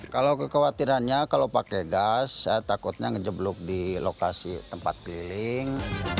kalau kekhawatirannya kalau pakai gas saya takutnya ngejeblok di lokasi tempat keliling